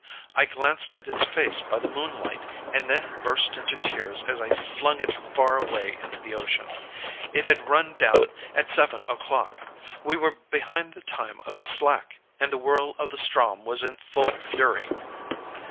I glanced at its face by the moonlight, and then burst into tears as I flung it far away into the ocean. It had run down at seven o'clock! We were behind the time of the slack, and the whirl of the Ström was in full fury!